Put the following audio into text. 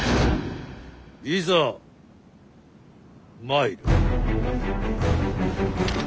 いざ参る。